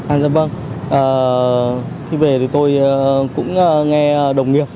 à dạ vâng khi về thì tôi cũng nghe đồng nghiệp